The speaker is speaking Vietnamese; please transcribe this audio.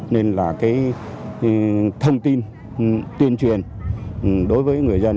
nên là cái thông tin tuyên truyền đối với người dân